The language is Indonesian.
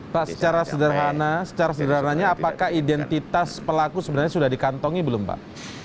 pak secara sederhana secara sederhananya apakah identitas pelaku sebenarnya sudah dikantongi belum pak